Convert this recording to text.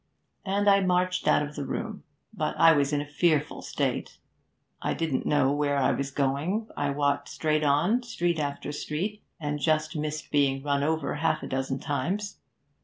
And I marched out of the room. 'But I was in a fearful state. I didn't know where I was going, I walked straight on, street after street, and just missed being run over half a dozen times.